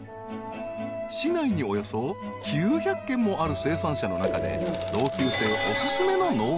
［市内におよそ９００軒もある生産者の中で同級生お薦めの農園へ］